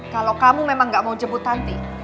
kalau kamu memang gak mau jemput nanti